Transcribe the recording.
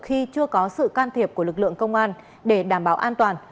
khi chưa có sự can thiệp của lực lượng công an để đảm bảo an toàn